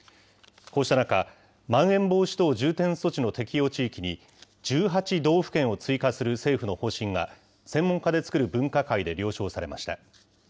こうした中、まん延防止等重点措置の適用地域に、１８道府県を追加する政府の方針が、専門家で作る分科会で了承されました。